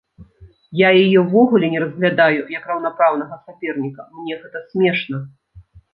Я яе ўвогуле не разглядаю як раўнапраўнага саперніка, мне гэта смешна!